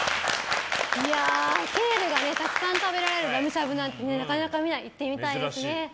ケールがたくさん食べられるラムしゃぶなんてなかなか見ないので行ってみたいですね。